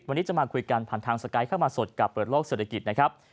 วันนี้จะมาคุยกันผ่านทางสกายเข้ามาสดกับเปิดโลกเศรษฐกิจนะครับ